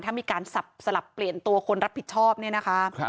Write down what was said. ถ้ามีการสลับเปลี่ยนตัวคนรับผิดชอบเนี่ยนะคะ